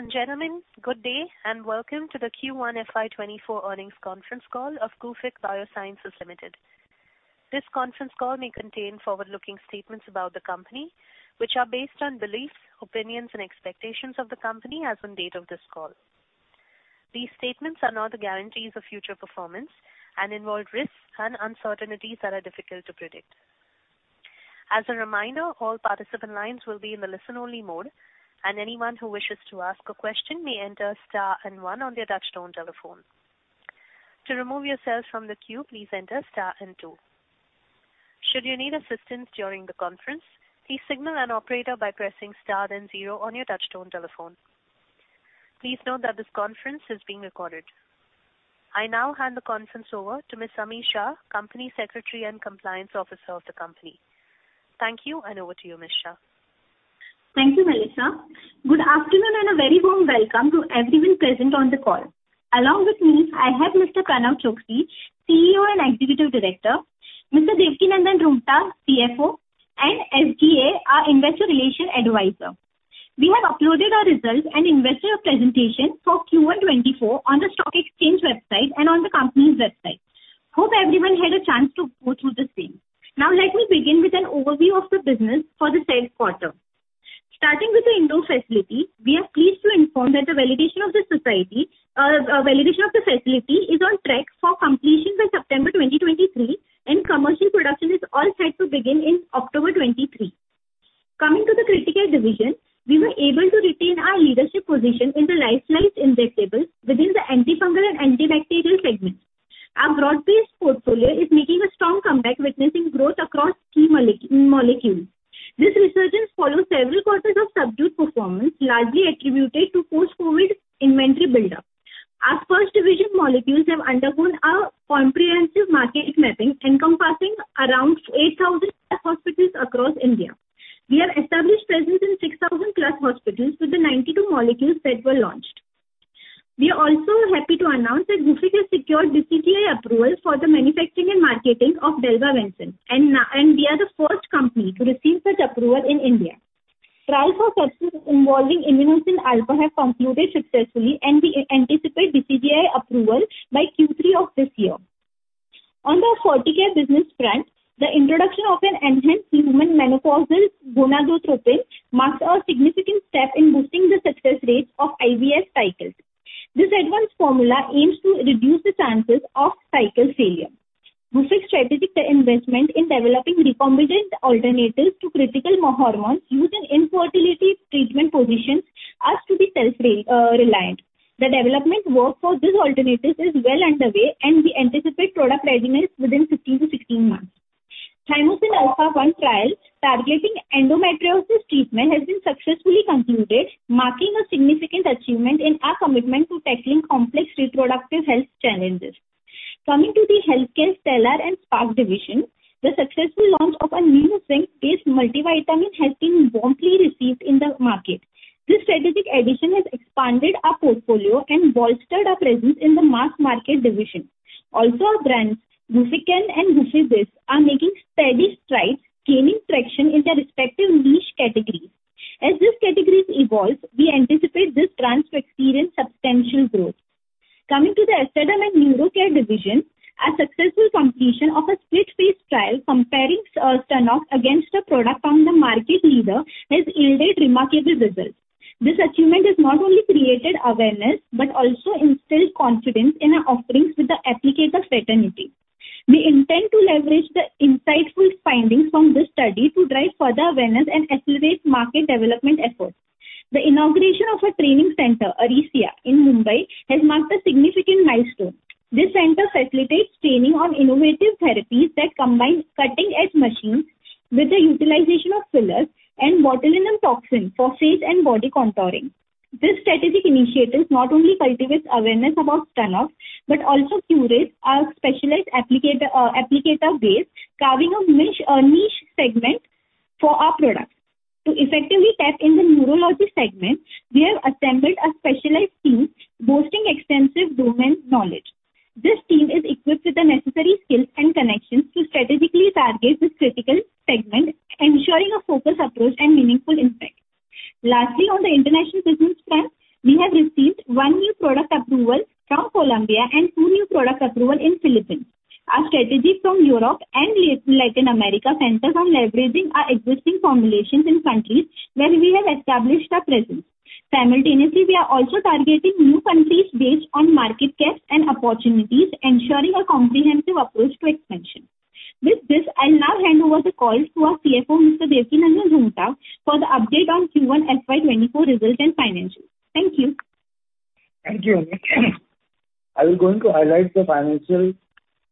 Ladies and gentlemen, good day, and welcome to the Q1 FY24 earnings conference call of Gufic Biosciences Limited. This conference call may contain forward-looking statements about the company, which are based on beliefs, opinions, and expectations of the company as on date of this call. These statements are not the guarantees of future performance and involve risks and uncertainties that are difficult to predict. As a reminder, all participant lines will be in the listen-only mode, and anyone who wishes to ask a question may enter star and 1 on their touchtone telephone. To remove yourselves from the queue, please enter star and 2. Should you need assistance during the conference, please signal an operator by pressing star then 0 on your touchtone telephone. Please note that this conference is being recorded. I now hand the conference over to Ms. Ami Shah, Company Secretary and Compliance Officer of the company. Thank you, and over to you, Ms. Shah. Thank you, Melissa. Good afternoon, and a very warm welcome to everyone present on the call. Along with me, I have Mr. Pranav Chokshi, CEO and Executive Director, Mr. Devkinandan Roonghta, CFO, and SGA, our Investor Relations Advisor. We have uploaded our results and investor presentation for Q1 2024 on the stock exchange website and on the company's website. Hope everyone had a chance to go through the same. Now let me begin with an overview of the business for the third quarter. Starting with the Indore facility, we are pleased to inform that the validation of the facility is on track for completion by September 2023, and commercial production is all set to begin in October 2023. Coming to the critical division, we were able to retain our leadership position in the lyophilized injectables within the antifungal and antibacterial segments. Our broad-based portfolio is making a strong comeback, witnessing growth across key molecules. This resurgence follows several quarters of subdued performance, largely attributed to post-COVID inventory buildup. Our first division molecules have undergone a comprehensive market mapping, encompassing around 8,000 hospitals across India. We have established presence in 6,000+ hospitals with the 92 molecules that were launched. We are also happy to announce that Gufic has secured DCGI approval for the manufacturing and marketing of Dalbavancin, and we are the first company to receive such approval in India. Trials for substance involving Immunocin Alpha have concluded successfully, and we anticipate DCGI approval by Q3 of this year. On the Ferticare business front, the introduction of an enhanced human menopausal gonadotropin marks a significant step in boosting the success rates of IVF cycles. This advanced formula aims to reduce the chances of cycle failure. Gufic's strategic investment in developing recombinant alternatives to critical hormones used in infertility treatment positions us to be self-reliant. The development work for these alternatives is well underway, and we anticipate product readiness within 15 to 16 months. Thymosin alpha 1 trial targeting endometriosis treatment has been successfully concluded, marking a significant achievement in our commitment to tackling complex reproductive health challenges. Coming to the healthcare Stellar and Spark division, the successful launch of our new zinc-based multivitamin has been warmly received in the market. This strategic addition has expanded our portfolio and bolstered our presence in the mass market division. Also, our brands, Gufic and Gufibiz, are making steady strides, gaining traction in their respective niche categories. As these categories evolve, we anticipate these brands to experience substantial growth. Coming to the Aestderm and Neurocare division, our successful completion of a split-phase trial comparing Stunnox against a product from the market leader has yielded remarkable results. This achievement has not only created awareness but also instilled confidence in our offerings with the applicator fraternity. We intend to leverage the insightful findings from this study to drive further awareness and accelerate market development efforts. The inauguration of our training center, Ariesia, in Mumbai, has marked a significant milestone. This center facilitates training on innovative therapies that combine cutting-edge machines with the utilization of fillers and botulinum toxin for face and body contouring. This strategic initiative not only cultivates awareness about Stunnox but also curates our specialized applicator, applicator base, carving a niche, a niche segment for our products. To effectively tap in the neurology segment, we have assembled a specialized team boasting extensive domain knowledge. This team is equipped with the necessary skills and connections to strategically target this critical segment, ensuring a focused approach and meaningful impact. Lastly, on the international business front, we have received one new product approval from Colombia and two new product approval in Philippines. Our strategy from Europe and Latin America centers on leveraging our existing formulations in countries where we have established our presence. Simultaneously, we are also targeting new countries based on market gaps and opportunities, ensuring a comprehensive approach to expansion. With this, I'll now hand over the call to our CFO, Mr. Devkinandan Roonghta, for the update on Q1 FY24 results and financials. Thank you. Thank you. I'm going to highlight the financial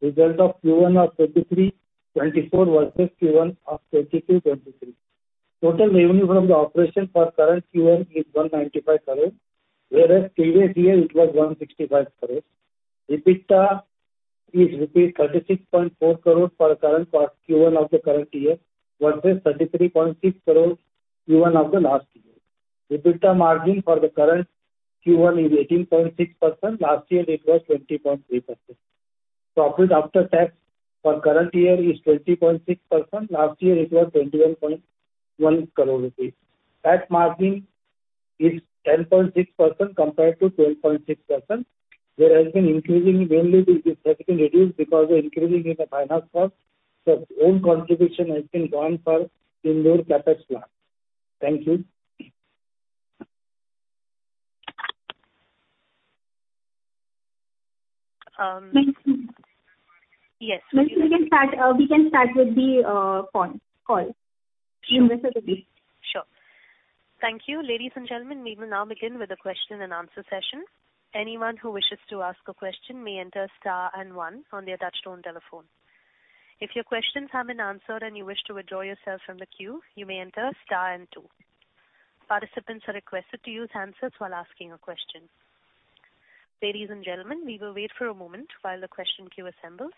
results of Q1 of 2023, 2024 versus Q1 of 2022, 2023. Total revenue from the operation for current Q1 is 195 crore, whereas previous year it was 165 crore. EBITDA is rupees 36.4 crore for current Q1 of the current year versus 33.6 crore Q1 of the last year. EBITDA margin for the current Q1 is 18.6%. Last year it was 20.3%. profit after tax for current year is 20.6%, last year it was 21.1 crore rupees. Tax margin is 10.6% compared to 12.6%, there has been increasing mainly because that's been reduced because of increasing in the finance cost. Own contribution has been gone for Indore CapEx plant. Thank you. Yes. We can start, we can start with the phone call. Sure. Thank you. Ladies and gentlemen, we will now begin with the question and answer session. Anyone who wishes to ask a question may enter star and one on their touchtone telephone. If your questions have been answered and you wish to withdraw yourself from the queue, you may enter star and two. Participants are requested to use handsets while asking a question. Ladies and gentlemen, we will wait for a moment while the question queue assembles.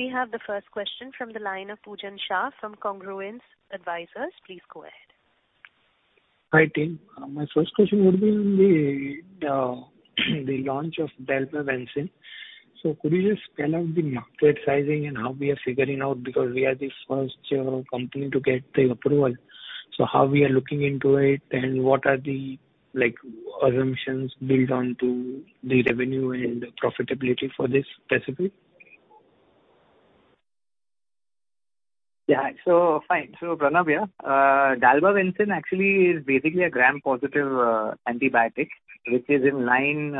We have the first question from the line of Pujen Shah from Congruence Advisors. Please go ahead. Hi, team. My first question would be on the launch of Dalbavancin. Could you just spell out the market sizing and how we are figuring out, because we are the first company to get the approval. How we are looking into it, and what are the, like, assumptions built onto the revenue and profitability for this specific? Fine. Pranav, Dalbavancin actually is basically a gram-positive antibiotic, which is in line.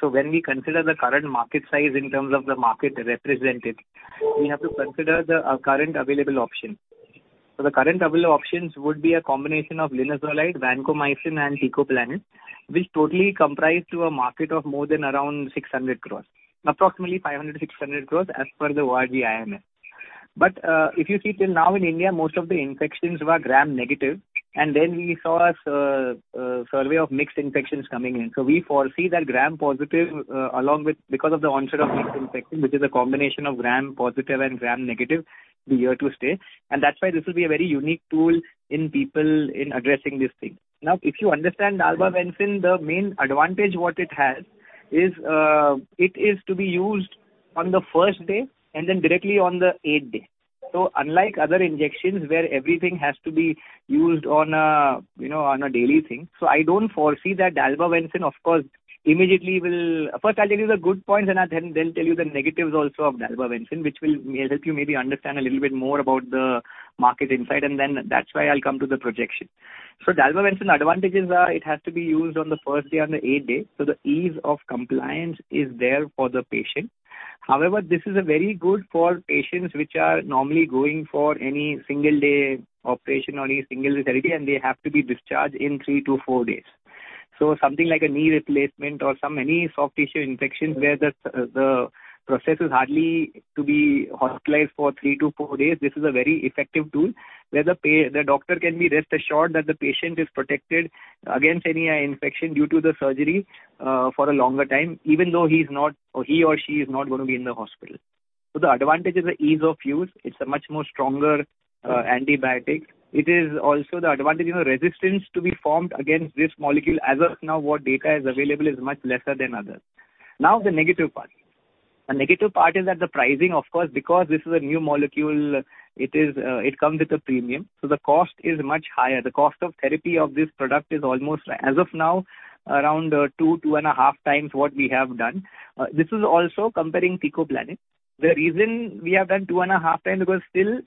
When we consider the current market size in terms of the market represented, we have to consider the current available option. The current available options would be a combination of linezolid, vancomycin, and teicoplanin, which totally comprise to a market of more than around 600 crore, approximately 500 crore-600 crore as per the ORG-IMS. If you see till now in India, most of the infections were gram-negative, and then we saw a survey of mixed infections coming in. We foresee that gram-positive, along with because of the onset of mixed infection, which is a combination of gram-positive and gram-negative, the year to stay. That's why this will be a very unique tool in people in addressing this thing. If you understand Dalbavancin, the main advantage what it has is, it is to be used on the first day and then directly on the eighth day. Unlike other injections, where everything has to be used on a, you know, on a daily thing. I don't foresee that Dalbavancin, of course, immediately will. First, I'll tell you the good points, and I, then, then tell you the negatives also of Dalbavancin, which will help you maybe understand a little bit more about the market insight, and then that's why I'll come to the projection. Dalbavancin advantages are it has to be used on the first day and the eighth day, so the ease of compliance is there for the patient. This is a very good for patients which are normally going for any single day operation or any single day therapy, and they have to be discharged in 3-4 days. Something like a knee replacement or some any soft tissue infections where the the process is hardly to be hospitalized for 3-4 days, this is a very effective tool, where the doctor can be rest assured that the patient is protected against any infection due to the surgery for a longer time, even though he's not, or he or she is not going to be in the hospital. The advantage is the ease of use. It's a much more stronger antibiotic. It is also the advantage of resistance to be formed against this molecule. As of now, what data is available is much lesser than others. The negative part. The negative part is that the pricing, of course, because this is a new molecule, it is, it comes with a premium, so the cost is much higher. The cost of therapy of this product is almost, as of now, around, two, two and a half times what we have done. This is also comparing teicoplanin. The reason we have done two and a half times, because still,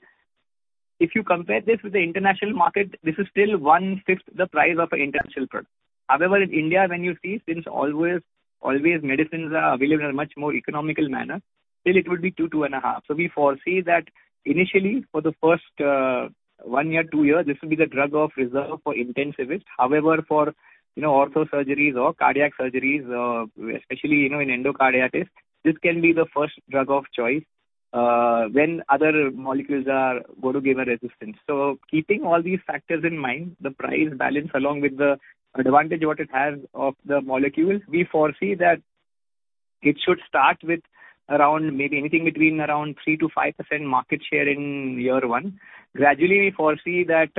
if you compare this with the international market, this is still one-fifth the price of an international product. However, in India, when you see, since always, always medicines are available in a much more economical manner, still it would be two, two and a half. We foresee that initially, for the first, one year, two years, this will be the drug of reserve for intensivists. However, for, you know, ortho surgeries or cardiac surgeries, especially, you know, in endocarditis, this can be the first drug of choice, when other molecules are going to give a resistance. Keeping all these factors in mind, the price balance along with the advantage what it has of the molecule, we foresee that it should start with around maybe anything between around 3%-5% market share in year 1. Gradually, we foresee that,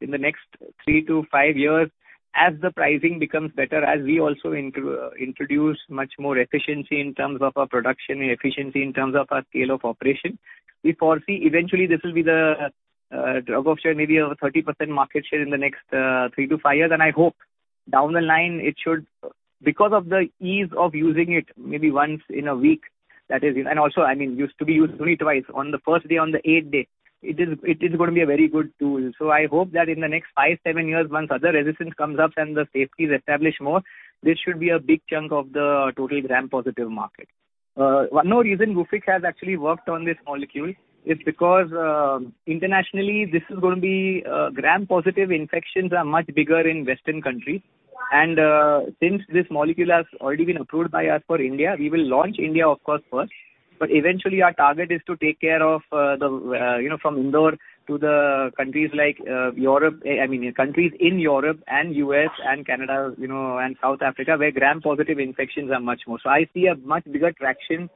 in the next 3-5 years, as the pricing becomes better, as we also introduce much more efficiency in terms of our production and efficiency in terms of our scale of operation, we foresee eventually this will be the drug of choice, maybe a 30% market share in the next 3-5 years. And I hope down the line it should... Because of the ease of using it, maybe once in a week, that is, and also, I mean, used to be used only twice, on the first day, on the eighth day, it is, it is going to be a very good tool. I hope that in the next five, seven years, once other resistance comes up and the safety is established more, this should be a big chunk of the total gram-positive market. One more reason Rupshik has actually worked on this molecule is because, internationally, this is going to be, gram-positive infections are much bigger in Western countries. Since this molecule has already been approved by us for India, we will launch India, of course, first. Eventually, our target is to take care of the, you know, from Indore to the countries like Europe, I mean, countries in Europe and US and Canada, you know, and South Africa, where gram-positive infections are much more. I see a much bigger traction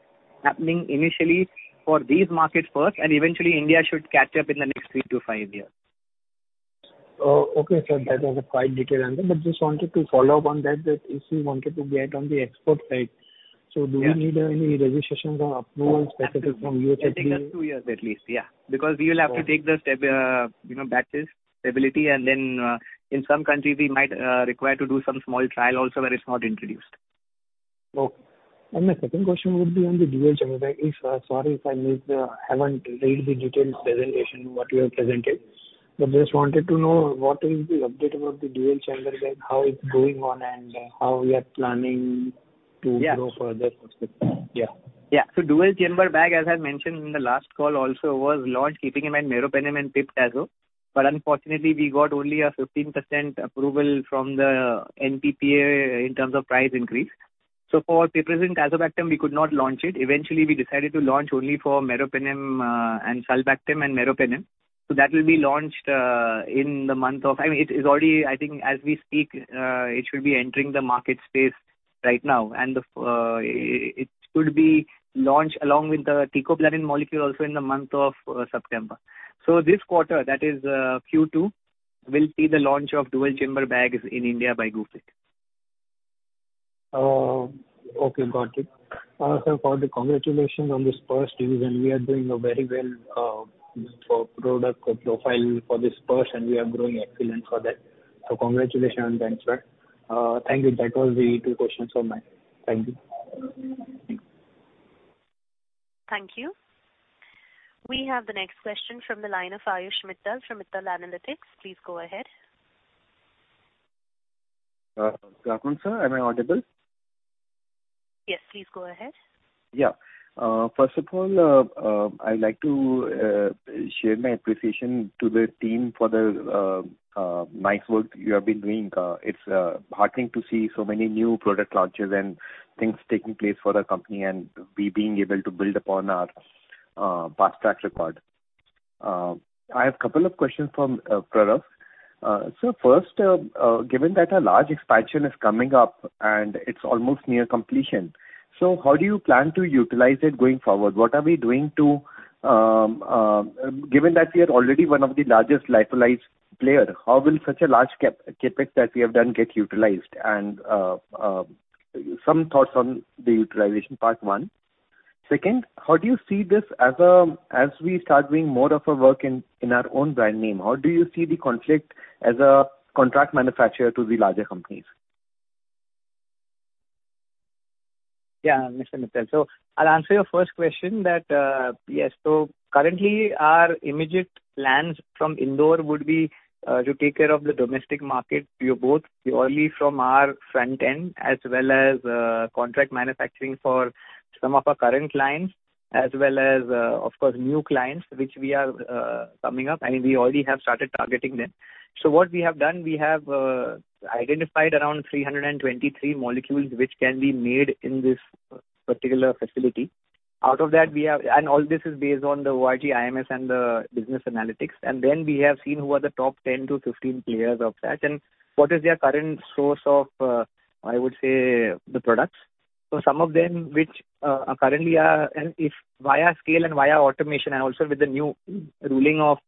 happening initially for these markets first, and eventually India should catch up in the next three to five years. Okay, sir, that was a quite detailed answer, but just wanted to follow up on that, that if we wanted to get on the export side, so do we need any registrations or approvals specific from U.S. FDA? It will take us two years at least, yeah. We will have to take the step, you know, batches, stability, and then, in some countries, we might require to do some small trial also where it's not introduced. Okay. My second question would be on the dual chamber bag. If, sorry, if I missed, I haven't read the detailed presentation what you have presented, but just wanted to know what is the update about the dual chamber bag, how it's going on and, how we are planning to go further with it? Yeah. Yeah. Dual chamber bag, as I mentioned in the last call also, was launched keeping in mind meropenem and pip-tazo. Unfortunately, we got only a 15% approval from the NPPA in terms of price increase. For piperacillin-tazobactam we could not launch it. Eventually, we decided to launch only for meropenem and sulbactam and meropenem. That will be launched in the month of... I mean, it's already, I think, as we speak, it should be entering the market space right now. It could be launched along with the teicoplanin molecule also in the month of September. This quarter, that is, Q2, will see the launch of dual chamber bags in India by Gufic. Okay, got it. Sir, for the congratulations on this first deal. We are doing a very well for product profile for this first. We are growing excellent for that. Congratulations on that, sir. Thank you. That was the two questions from me. Thank you. Thank you. We have the next question from the line of Ayush Mittal from Mittal Analytics. Please go ahead. Good afternoon, sir. Am I audible? Yes, please go ahead. Yeah. First of all, I'd like to share my appreciation to the team for the nice work you have been doing. It's heartening to see so many new product launches and things taking place for our company and we being able to build upon our past track record. I have a couple of questions from Prerav. First, given that a large expansion is coming up and it's almost near completion, how do you plan to utilize it going forward? What are we doing to, given that we are already one of the largest lyophilized player, how will such a large CapEx that we have done get utilized? Some thoughts on the utilization, part one. Second, how do you see this as, as we start doing more of our work in, in our own brand name, how do you see the conflict as a contract manufacturer to the larger companies? Yeah, Mr. Mittal. I'll answer your first question that, yes, currently our immediate plans from Indore would be to take care of the domestic market. We are both purely from our front end as well as contract manufacturing for some of our current clients, as well as, of course, new clients, which we are coming up, and we already have started targeting them. What we have done, we have identified around 323 molecules, which can be made in this particular facility. Out of that, we have... All this is based on the YG IMS and the business analytics. Then we have seen who are the top 10-15 players of that and what is their current source of, I would say, the products. Some of them which currently are, and if via scale and via automation, and also with the new ruling of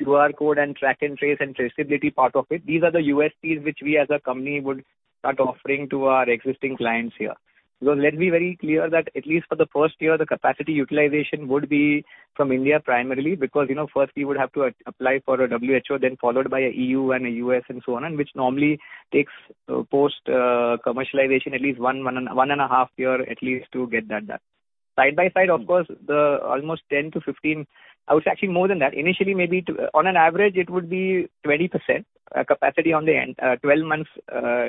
QR code and track and trace and traceability part of it, these are the USPs which we as a company would start offering to our existing clients here. Let me be very clear that at least for the first year, the capacity utilization would be from India primarily, because, you know, first we would have to apply for a WHO, then followed by an EU and a US and so on, and which normally takes post commercialization at least one and a half year at least to get that done. Side by side, of course, the almost 10-15, I would say actually more than that. Initially, maybe on an average, it would be 20% capacity on the end 12 months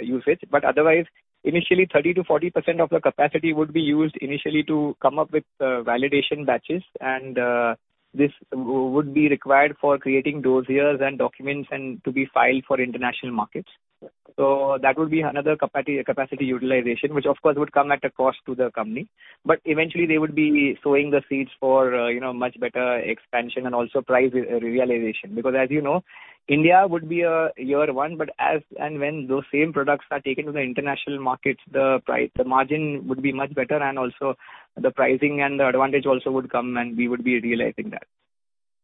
usage. Otherwise, initially, 30%-40% of the capacity would be used initially to come up with validation batches, and this would be required for creating dossiers and documents and to be filed for international markets. That would be another capacity utilization, which of course would come at a cost to the company. Eventually, they would be sowing the seeds for, you know, much better expansion and also price realization. As you know, India would be year 1, but as and when those same products are taken to the international markets, the price, the margin would be much better, and also the pricing and the advantage also would come, and we would be realizing that.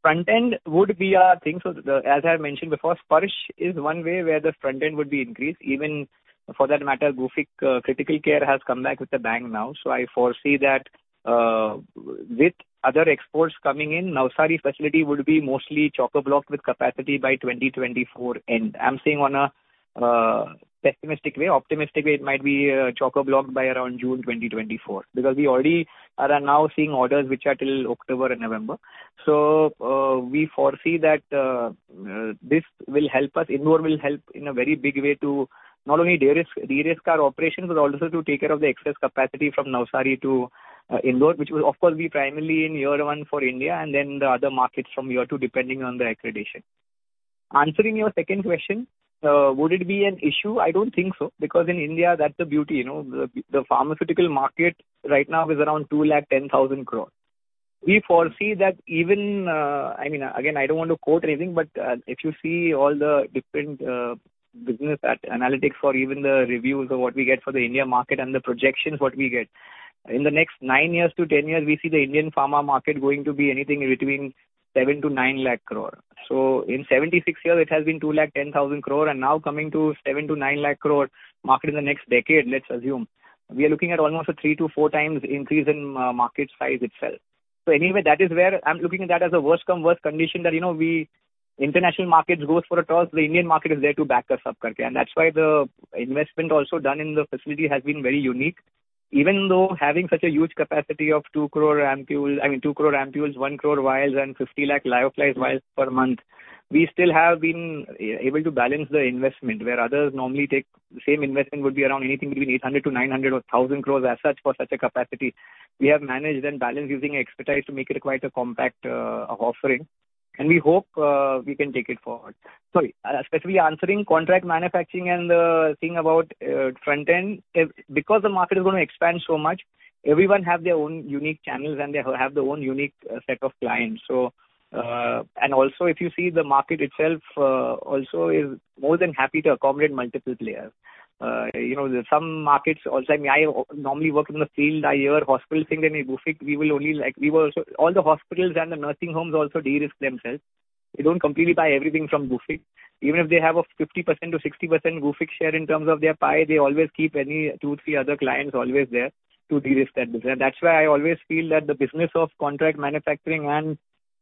Front end would be a thing, so the, as I mentioned before, Sparsh is one way where the front end would be increased. Even for that matter, Gufic Critical Care has come back with a bang now. I foresee that with other exports coming in, Navsari facility would be mostly choker block with capacity by 2024 end. I'm saying on a pessimistic way. Optimistic way, it might be choker block by around June 2024, because we already are now seeing orders which are till October and November. We foresee that this will help us. Indore will help in a very big way to not only de-risk, de-risk our operations, but also to take care of the excess capacity from Navsari to Indore, which will of course, be primarily in year one for India and then the other markets from year two, depending on the accreditation. Answering your second question, would it be an issue? I don't think so, because in India, that's the beauty. You know, the pharmaceutical market right now is around 210,000 crore. We foresee that even, I mean, again, I don't want to quote anything, if you see all the different pharma-... business at analytics for even the reviews of what we get for the India market and the projections what we get. In the next 9-10 years, we see the Indian pharma market going to be anything between 7 lakh crore-9 lakh crore. In 76 years, it has been 210,000 crore, and now coming to 7 lakh crore-9 lakh crore market in the next decade, let's assume. We are looking at almost a 3-4 times increase in market size itself. Anyway, that is where I'm looking at that as a worst come worst condition that, you know, we international markets goes for a toss, the Indian market is there to back us up, and that's why the investment also done in the facility has been very unique. Even though having such a huge capacity of 2 crore ampoules, I mean, 2 crore ampoules, 1 crore vials, and 50 lakh lyophilized vials per month, we still have been able to balance the investment, where others normally take the same investment would be around anything between 800 crore-900 crore or 1,000 crore as such, for such a capacity. We have managed and balanced using expertise to make it quite a compact offering, and we hope we can take it forward. Sorry, specifically answering contract manufacturing and the thing about front end, because the market is going to expand so much, everyone have their own unique channels, and they have their own unique set of clients. And also, if you see the market itself, also is more than happy to accommodate multiple players. You know, there's some markets also, I normally work in the field, I hear hospitals saying that, "Gufic, we will only like..." All the hospitals and the nursing homes also de-risk themselves. They don't completely buy everything from Gufic. Even if they have a 50%-60% Gufic share in terms of their pie, they always keep any two, three other clients always there to de-risk that business. That's why I always feel that the business of contract manufacturing and,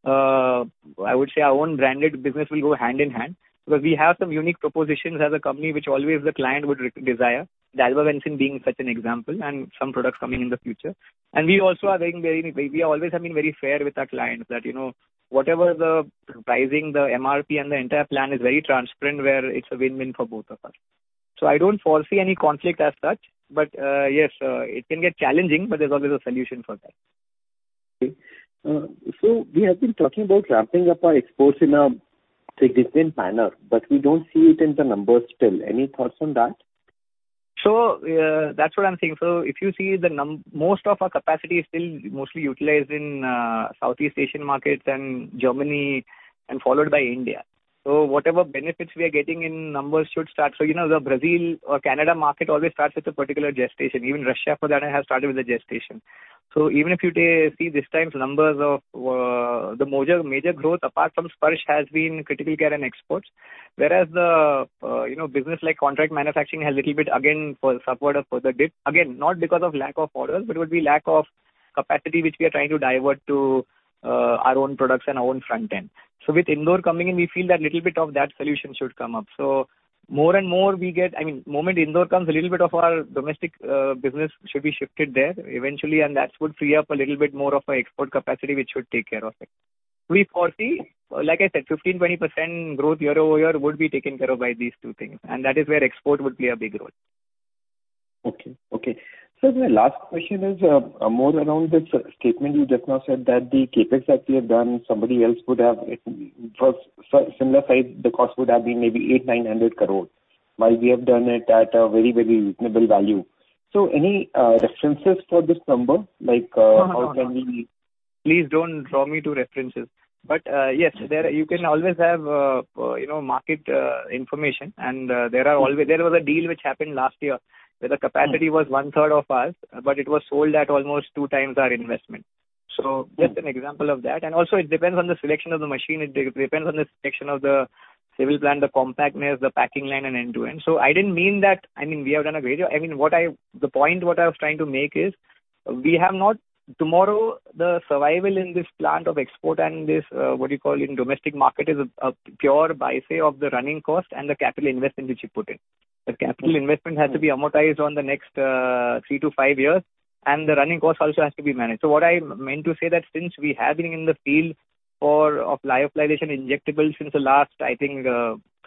I would say our own branded business will go hand in hand, because we have some unique propositions as a company, which always the client would re-desire. Dalbavancin being such an example, and some products coming in the future. We also are very, very, we always have been very fair with our clients, that, you know, whatever the pricing, the MRP and the entire plan is very transparent, where it's a win-win for both of us. I don't foresee any conflict as such, but, yes, it can get challenging, but there's always a solution for that. Okay. We have been talking about ramping up our exports in a significant manner, but we don't see it in the numbers still. Any thoughts on that? That's what I'm saying. If you see the most of our capacity is still mostly utilized in Southeast Asian markets and Germany and followed by India. Whatever benefits we are getting in numbers should start. You know, the Brazil or Canada market always starts with a particular gestation. Even Russia, for that, I have started with a gestation. Even if you see this time's numbers of the major growth, apart from Sparsh, has been critical care and exports. Whereas the, you know, business like contract manufacturing has little bit, again, suffered a further dip. Again, not because of lack of orders, but it would be lack of capacity, which we are trying to divert to our own products and our own front end. With Indore coming in, we feel that little bit of that solution should come up. More and more we get, I mean, moment Indore comes, a little bit of our domestic business should be shifted there eventually, and that would free up a little bit more of our export capacity, which should take care of it. We foresee, like I said, 15%-20% growth year-over-year would be taken care of by these two things. That is where export would play a big role. Okay. Okay. my last question is, more around this statement you just now said that the CapEx that we have done, somebody else would have, for similar size, the cost would have been maybe 800-900 crore, while we have done it at a very, very reasonable value. any references for this number? Like, No, no, no. -how can we- Please don't draw me to references. Yes, there you can always have, you know, market information, and there are always. There was a deal which happened last year, where the capacity was 1/3 of ours, but it was sold at almost 2 times our investment. Just an example of that. Also, it depends on the selection of the machine, it depends on the selection of the civil plant, the compactness, the packing line, and end-to-end. I didn't mean that, I mean, we have done a greater. I mean, what I, the point what I was trying to make is, we have not. Tomorrow, the survival in this plant of export and this, what you call in domestic market, is a pure buy, say, of the running cost and the capital investment which you put in. The capital investment has to be amortized on the next 3-5 years, and the running cost also has to be managed. What I meant to say that since we have been in the field for, of lyophilization injectables since the last, I think,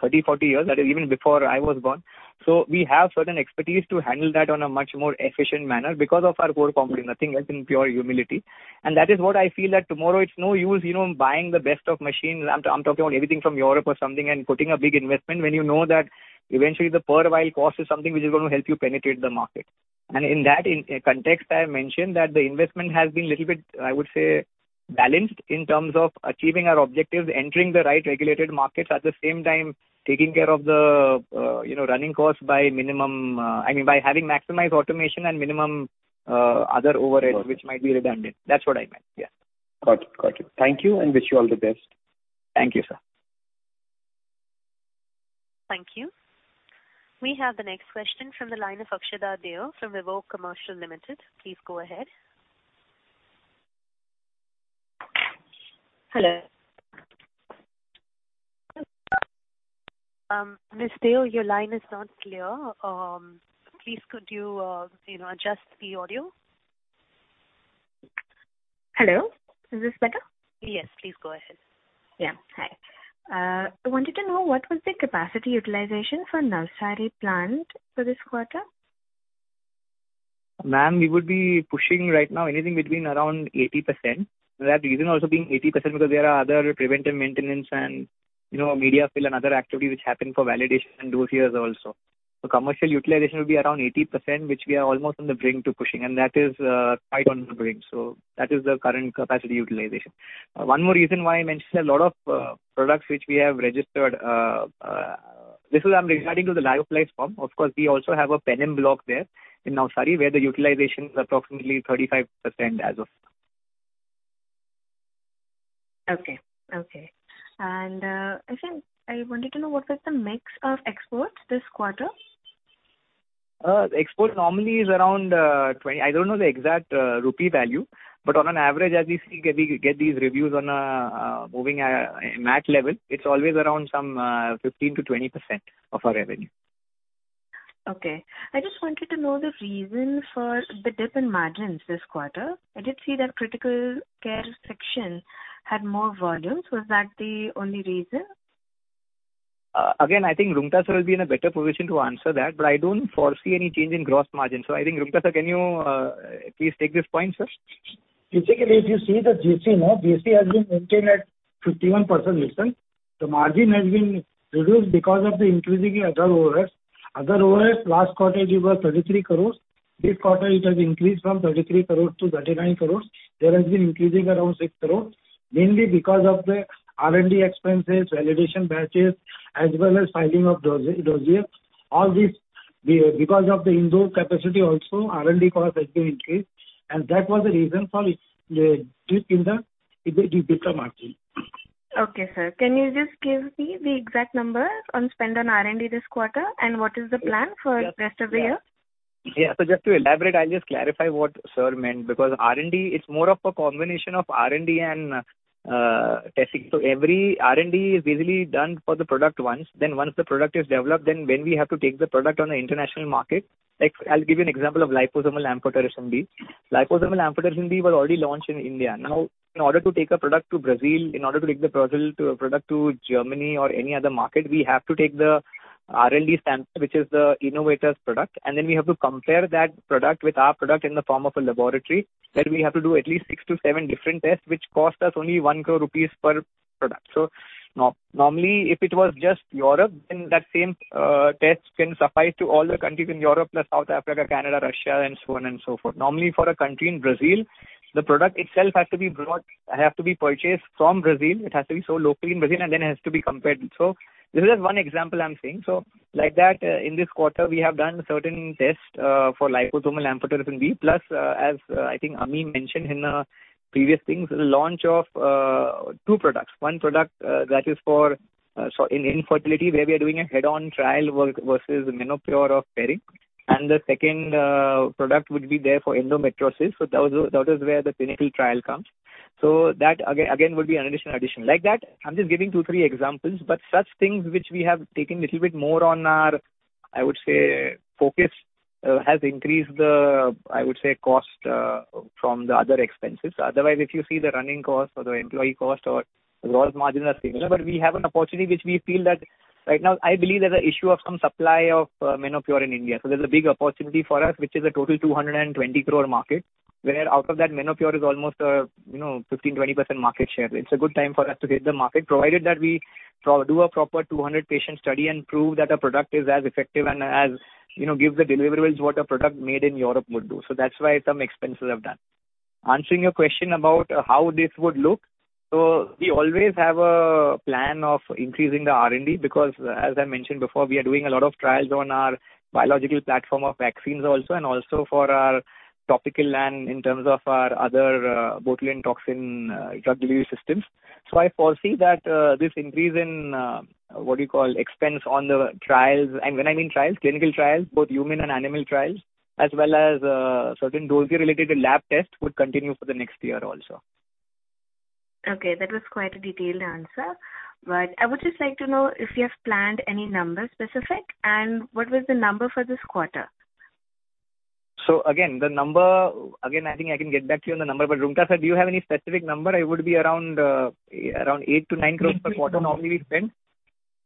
30-40 years, that is even before I was born, so we have certain expertise to handle that on a much more efficient manner because of our core company, nothing else, in pure humility. That is what I feel, that tomorrow, it's no use, you know, buying the best of machines. I'm talking about everything from Europe or something, and putting a big investment when you know that eventually the per vial cost is something which is going to help you penetrate the market. In that, in context, I have mentioned that the investment has been little bit, I would say, balanced in terms of achieving our objectives, entering the right regulated markets, at the same time, taking care of the, you know, running costs by minimum, I mean, by having maximized automation and minimum other overheads. Okay. which might be redundant. That's what I meant. Yeah. Got you. Got you. Thank you, and wish you all the best. Thank you, sir. Thank you. We have the next question from the line of Akshada Deo from Vivo Commercial Limited. Please go ahead. Hello? Ms. Deo, your line is not clear. Please, could you, you know, adjust the audio? Hello, is this better? Yes, please go ahead. Yeah. Hi. I wanted to know what was the capacity utilization for Navsari plant for this quarter? Ma'am, we would be pushing right now anything between around 80%. That reason also being 80%, because there are other preventive maintenance and, you know, media fill and other activity which happen for validation in those years also. Commercial utilization will be around 80%, which we are almost on the brink to pushing, and that is right on the brink. That is the current capacity utilization. One more reason why I mentioned a lot of products which we have registered, this is regarding to the lyophilized form. Of course, we also have a penem block there in Navsari, where the utilization is approximately 35% as of now. Okay. Okay. I think I wanted to know what was the mix of exports this quarter? Export normally is around 20... I don't know the exact rupee value, but on an average, as you see, get the, get these reviews on a moving at MAT level, it's always around some 15%-20% of our revenue. Okay. I just wanted to know the reason for the dip in margins this quarter. I did see that critical care section had more volumes. Was that the only reason? Again, I think Roongta sir will be in a better position to answer that, but I don't foresee any change in gross margin. I think, Roongta sir, can you please take this point, sir? Basically, if you see the GC, no, GC has been maintained at 51% this time. The margin has been reduced because of the increasing other overheads. Other overheads last quarter it was 33 crore. This quarter, it has increased from 33 crore to 39 crore. There has been increasing around 6 crore, mainly because of the R&D expenses, validation batches, as well as filing of dosage. All these, because of the Indore capacity also, R&D cost has been increased, and that was the reason for the dip in the EBITDA margin. Okay, sir. Can you just give me the exact numbers on spend on R&D this quarter, and what is the plan for the rest of the year? Yeah. Just to elaborate, I'll just clarify what sir meant, because R&D, it's more of a combination of R&D and testing. Every R&D is basically done for the product once. Once the product is developed, then when we have to take the product on the international market... Like, I'll give you an example of liposomal amphotericin B. Liposomal amphotericin B was already launched in India. Now, in order to take a product to Brazil, in order to take the Brazil to a product to Germany or any other market, we have to take the R&D stamp, which is the innovator's product, and then we have to compare that product with our product in the form of a laboratory. We have to do at least six to seven different tests, which cost us only 1 crore rupees per product. Normally, if it was just Europe, then that same test can suffice to all the countries in Europe, plus South Africa, Canada, Russia, and so on and so forth. Normally, for a country in Brazil, the product itself has to be brought, it have to be purchased from Brazil. It has to be so locally in Brazil, and then it has to be compared. This is just one example I'm saying. Like that, in this quarter, we have done certain tests for liposomal amphotericin B, plus, as I think Ayush mentioned in previous things, the launch of 2 products. 1 product that is for infertility, where we are doing a head-on trial versus Menopur of Ferring. The second product would be there for endometriosis, so that was, that is where the clinical trial comes. That again, would be an additional addition. Like that, I'm just giving two, three examples, but such things which we have taken little bit more on our, I would say, focus, has increased the, I would say, cost, from the other expenses. Otherwise, if you see the running cost or the employee cost, our gross margins are similar. We have an opportunity which we feel that right now, I believe there's an issue of some supply of Menopur in India. There's a big opportunity for us, which is a total 220 crore market, where out of that, Menopur is almost, you know, 15%-20% market share. It's a good time for us to hit the market, provided that we. do a proper 200 patient study and prove that our product is as effective and as, you know, give the deliverables what a product made in Europe would do. That's why some expenses have done. Answering your question about how this would look, we always have a plan of increasing the R&D, because, as I mentioned before, we are doing a lot of trials on our biological platform of vaccines also, and also for our topical and in terms of our other botulinum toxin drug delivery systems. I foresee that this increase in, what do you call, expense on the trials, and when I mean trials, clinical trials, both human and animal trials, as well as certain dosage related to lab tests, would continue for the next year also. Okay, that was quite a detailed answer. I would just like to know if you have planned any numbers specific, and what was the number for this quarter? Again, the number, again, I think I can get back to you on the number, but Roongta sir, do you have any specific number? It would be around 8-9 crore per quarter, normally we spend.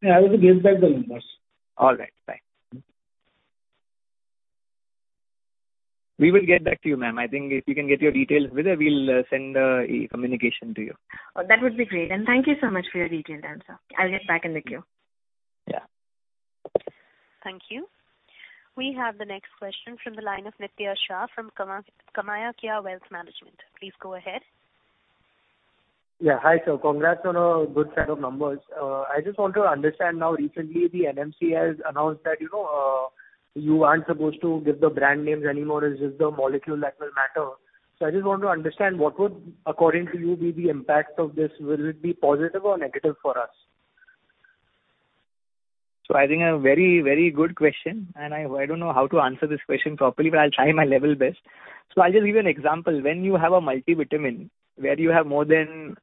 Yeah, I will get back the numbers. All right. Thanks. We will get back to you, ma'am. I think if you can get your details with us, we'll send a communication to you. Oh, that would be great. Thank you so much for your detailed answer. I'll get back in with you. Yeah. Thank you. We have the next question from the line of Nitya Shah from KamayaKya Wealth Management. Please go ahead. Yeah. Hi, sir. Congrats on a good set of numbers. I just want to understand now, recently, the NMC has announced that, you know, you aren't supposed to give the brand names anymore, it's just the molecule that will matter. I just want to understand, what would, according to you, be the impact of this? Will it be positive or negative for us? I think a very, very good question, and I, I don't know how to answer this question properly, but I'll try my level best. I'll just give you an example. When you have a multivitamin, where you have more than,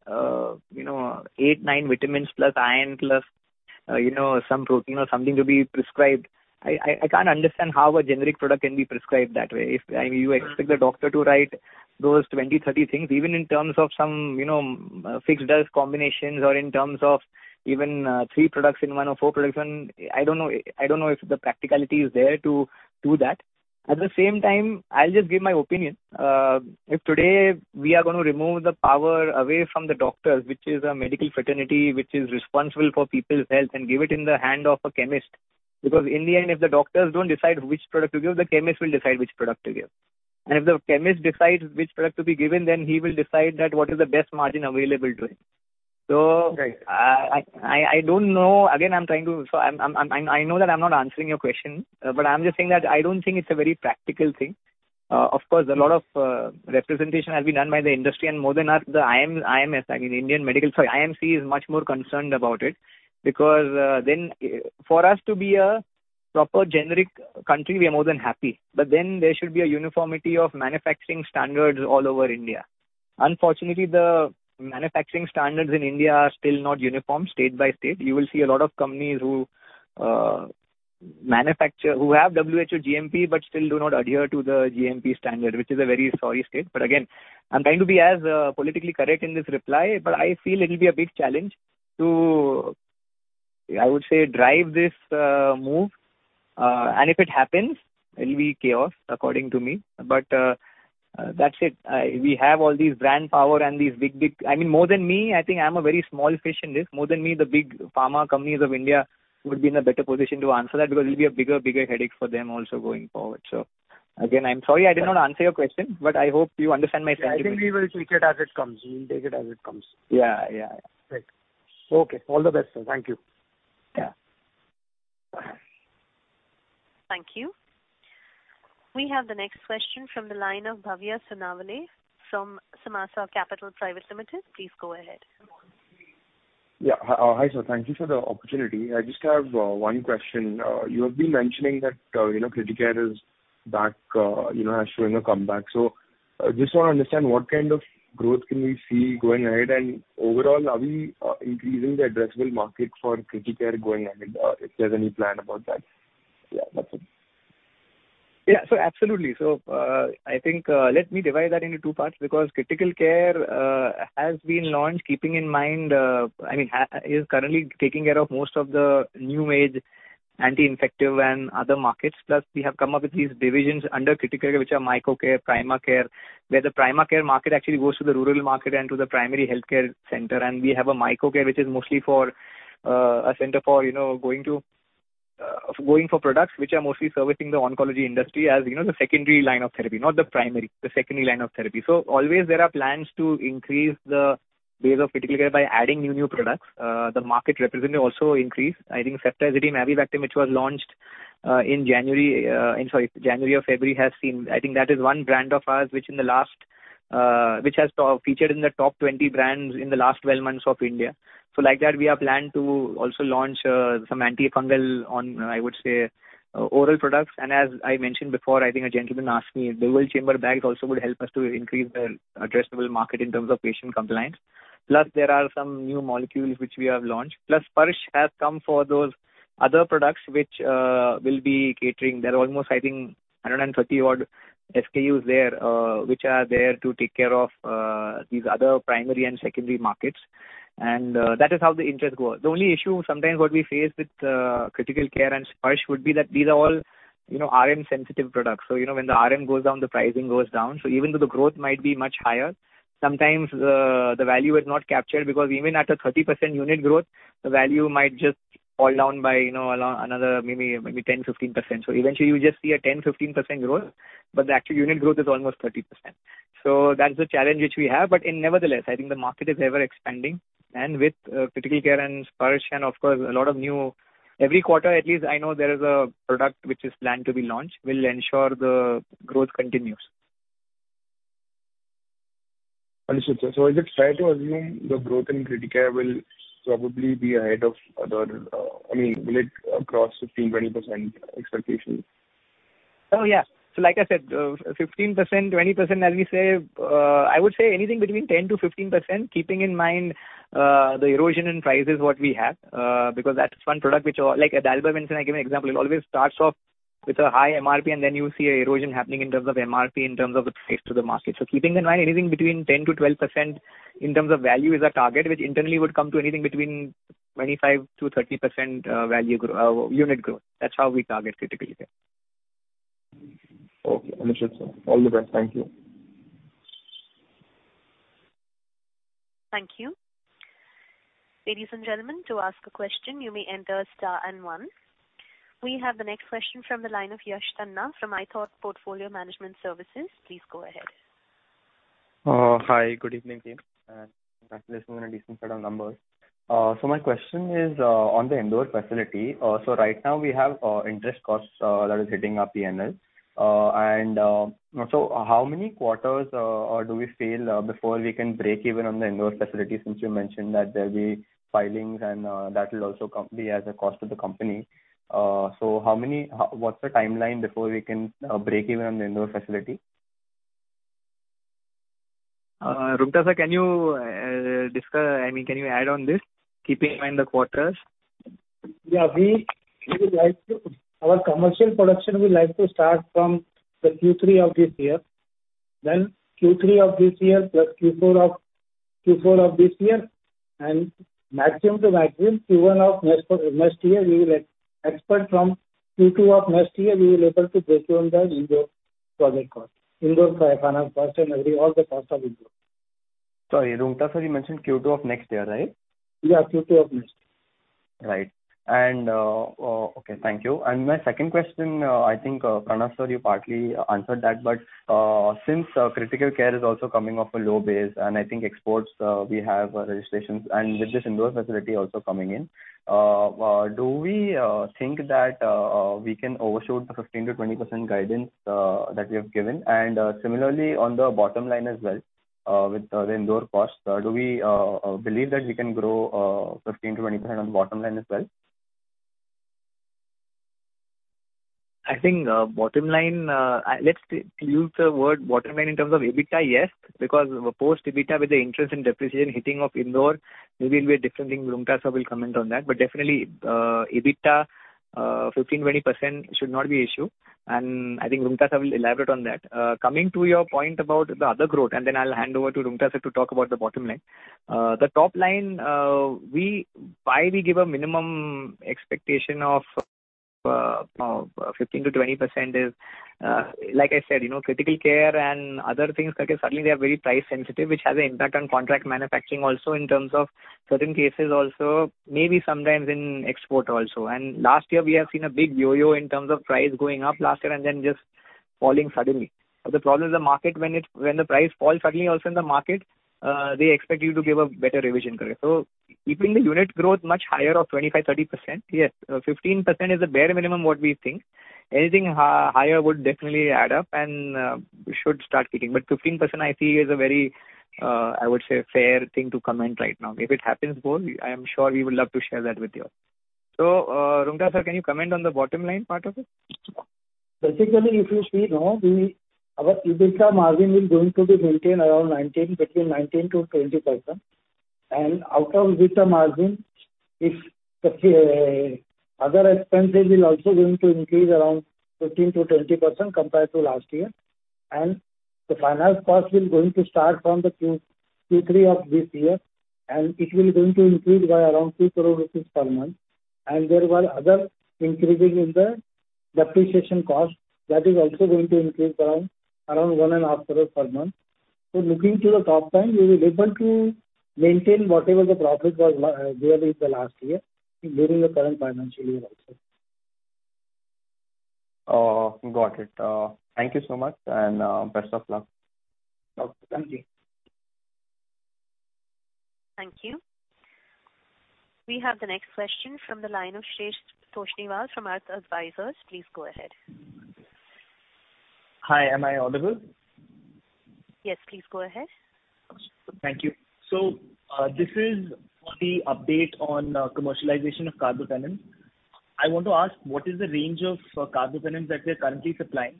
you know, eight, nine vitamins, plus iron, plus, you know, some protein or something to be prescribed, I, I, I can't understand how a generic product can be prescribed that way. If, I mean, you expect the doctor to write those 20, 30 things, even in terms of some, you know, fixed dose combinations or in terms of even, three products in one or four products in... I don't know, I don't know if the practicality is there to do that. At the same time, I'll just give my opinion. If today we are going to remove the power away from the doctors, which is a medical fraternity, which is responsible for people's health, and give it in the hand of a chemist, because in the end, if the doctors don't decide which product to give, the chemist will decide which product to give. If the chemist decides which product to be given, then he will decide that what is the best margin available to him. Right. I don't know. Again, I know that I'm not answering your question, but I'm just saying that I don't think it's a very practical thing. Of course, a lot of representation has been done by the industry, and more than are the IMS, IMS, I mean, sorry, IMC is much more concerned about it, because then for us to be a proper generic country, we are more than happy. There should be a uniformity of manufacturing standards all over India. Unfortunately, the manufacturing standards in India are still not uniform state by state. You will see a lot of companies who manufacture, who have WHO-GMP, but still do not adhere to the GMP standard, which is a very sorry state. Again, I'm trying to be as politically correct in this reply, but I feel it'll be a big challenge to, I would say, drive this move. And if it happens, it'll be chaos, according to me. That's it. We have all these brand power and these big, big... I mean, more than me, I think I'm a very small fish in this. More than me, the big pharma companies of India would be in a better position to answer that, because it'll be a bigger, bigger headache for them also going forward. Again, I'm sorry I did not answer your question, but I hope you understand my standpoint. I think we will take it as it comes. We'll take it as it comes. Yeah, yeah. Great. Okay, all the best, sir. Thank you. Yeah. Thank you. We have the next question from the line of Bhavya Sonavane from Samasta Capital Private Limited. Please go ahead. Yeah. Hi, sir. Thank you for the opportunity. I just have one question. You have been mentioning that, you know, CritiCare is back, you know, as showing a comeback. I just want to understand, what kind of growth can we see going ahead? Overall, are we increasing the addressable market for CritiCare going ahead, if there's any plan about that? Yeah, that's it. Yeah, absolutely. I think, let me divide that into two parts, because Critical Care has been launched, keeping in mind, I mean, is currently taking care of most of the new age, anti-infective and other markets. Plus, we have come up with these divisions under CritiCare, which are MyoCare, PrimaCare, where the PrimaCare market actually goes to the rural market and to the primary healthcare center. We have a MyoCare, which is mostly for a center for, you know, going to, going for products which are mostly servicing the oncology industry, as you know, the secondary line of therapy, not the primary, the secondary line of therapy. Always there are plans to increase the base of CritiCare by adding new, new products. The market representative also increased. I think Ceftazidime/avibactam, which was launched, in January, sorry, January or February, has seen. I think that is one brand of ours, which in the last, which has featured in the top 20 brands in the last 12 months of India. Like that, we have planned to also launch some antifungal on, I would say, oral products. As I mentioned before, I think a gentleman asked me, dual-chamber bags also would help us to increase the addressable market in terms of patient compliance. Plus, there are some new molecules which we have launched, plus Sparsh has come for those other products which will be catering. There are almost, I think, 130 odd SKUs there, which are there to take care of these other primary and secondary markets. That is how the interest goes. The only issue sometimes what we face with Critical Care and Sparsh would be that these are all, you know, RM-sensitive products. You know, when the RM goes down, the pricing goes down. Even though the growth might be much higher, sometimes the value is not captured because even at a 30% unit growth, the value might just fall down by, you know, another, maybe, maybe 10-15%. Eventually you just see a 10-15% growth, but the actual unit growth is almost 30%. That's the challenge which we have. Nevertheless, I think the market is ever expanding, and with Critical Care and Sparsh and of course a lot of new... Every quarter, at least I know there is a product which is planned to be launched, will ensure the growth continues. Understood, sir. Is it fair to assume the growth in CritiCare will probably be ahead of other, I mean, will it cross 15%-20% expectations? Oh, yeah. Like I said, 15%, 20%, as we say, I would say anything between 10%-15%, keeping in mind the erosion in prices what we have, because that's one product which, like Dalbavancin, I gave an example, it always starts off with a high MRP, and then you see an erosion happening in terms of MRP, in terms of the price to the market. Keeping in mind, anything between 10%-12% in terms of value is our target, which internally would come to anything between 25%-30% value grow, unit growth. That's how we target CritiCare. Okay, understood, sir. All the best. Thank you. Thank you. Ladies and gentlemen, to ask a question, you may enter star and one. We have the next question from the line of Yash Tanna fromItaú Portfolio Management Services. Please go ahead. Hi, good evening team, congratulations on a decent set of numbers. My question is on the Indore facility. Right now we have interest costs that is hitting our PNL. How many quarters do we feel before we can break even on the Indore facility, since you mentioned that there'll be filings and that will also come be as a cost to the company. What's the timeline before we can break even on the Indore facility? Roongta sir, can you discuss, I mean, can you add on this, keeping in mind the quarters? Yeah, Our commercial production, we like to start from the Q3 of this year. Q3 of this year, plus Q4 of this year, maximum to maximum, Q1 of next year, we will expect from Q2 of next year, we will be able to break even the Indore project cost. Indore, Faikana first and every, all the parts of Indore. Sorry, Roongta sir, you mentioned Q2 of next year, right? Yeah, Q2 of next year. Right. Oh, okay, thank you. My second question, I think, Pranav sir, you partly answered that, but since critical care is also coming off a low base, and I think exports, we have registrations, and with this Indore facility also coming in, do we think that we can overshoot the 15%-20% guidance that we have given? Similarly, on the bottom line as well, with the Indore costs, do we believe that we can grow 15%-20% on the bottom line as well? I think, bottom line, let's use the word bottom line in terms of EBITDA, yes, because post EBITDA, with the interest in depreciation hitting of Indore, maybe it'll be a different thing. Roongta sir will comment on that. Definitely, EBITDA, 15%-20% should not be issue, and I think Roongta sir will elaborate on that. Coming to your point about the other growth, and then I'll hand over to Roongta sir to talk about the bottom line. The top line, why we give a minimum expectation of 15%-20% is, like I said, you know, critical care and other things, like suddenly they are very price sensitive, which has an impact on contract manufacturing also in terms of certain cases also, maybe sometimes in export also. Last year, we have seen a big yo-yo in terms of price going up last year and then just falling suddenly. The problem with the market, when it, when the price falls suddenly also in the market, they expect you to give a better revision for it. Keeping the unit growth much higher of 25%, 30%, yes, 15% is the bare minimum what we think. Anything higher would definitely add up and should start kicking. Fifteen percent I see is a very, I would say, fair thing to comment right now. If it happens more, I am sure we would love to share that with you. Roongta sir, can you comment on the bottom line part of it? Basically, if you see now, we, our EBITDA margin is going to be maintained around 19, between 19%-20%. Out of EBITDA margin, if the other expenses will also going to increase around 15%-20% compared to last year, and the finance cost will going to start from the Q3 of this year, and it will going to increase by around 2 crore rupees per month. There were other increases in the depreciation cost, that is also going to increase around 1.5 crore per month. Looking to the top line, we will able to maintain whatever the profit was there in the last year during the current financial year also. Got it. Thank you so much and best of luck. Okay. Thank you. Thank you. We have the next question from the line of Shresth Toshniwal from Erst advisors. Please go ahead. Hi, am I audible? Yes, please go ahead. Thank you. This is on the update on commercialization of carbapenems. I want to ask, what is the range of carbapenems that we are currently supplying?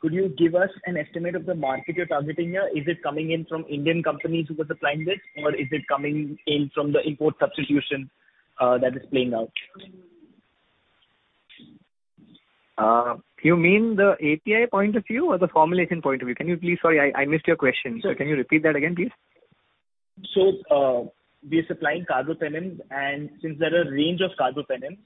Could you give us an estimate of the market you're targeting here? Is it coming in from Indian companies who are supplying this, or is it coming in from the import substitution that is playing out? You mean the API point of view or the formulation point of view? Can you please... Sorry, I, I missed your question. Sure. Can you repeat that again, please? We're supplying carbapenems, and since there are a range of carbapenems-